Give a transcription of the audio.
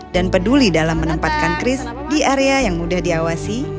dan peduli dalam menempatkan kris di area yang mudah diawasi